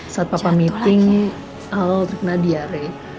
saat papa meeting awal terkena diare